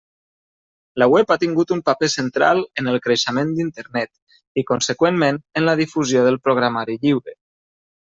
La web ha tingut un paper central en el creixement d'Internet i, conseqüentment, en la difusió del programari lliure.